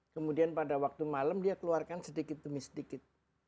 kemudian pada waktu malam dia keluarkan sedikit demi sedikit